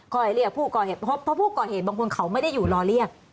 เรียกผู้ก่อเหตุเพราะผู้ก่อเหตุบางคนเขาไม่ได้อยู่รอเรียก